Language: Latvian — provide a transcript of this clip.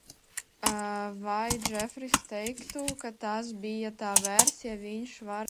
Vai Džefrīss teiktu, ka tas bija tā vērts, ja viņš varētu runāt?